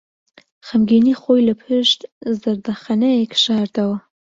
خەمگینیی خۆی لەپشت زەردەخەنەیەک شاردەوە.